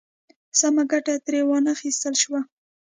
سمه ګټه ترې وا نخیستل شوه.